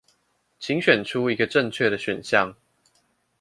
請選出一個正確的選項